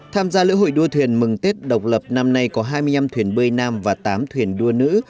tham gia lễ hội đua thuyền mừng tết độc lập năm nay có hai mươi năm thuyền bơi nam và tám thuyền đua nữ